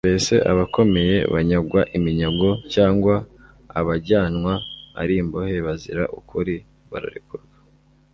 « Mbese abakomeye banyagwa iminyago cyangwa abajyanwa ari imbohe bazira ukuri bararekurwa?